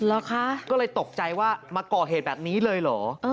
เหรอคะก็เลยตกใจว่ามาก่อเหตุแบบนี้เลยเหรอ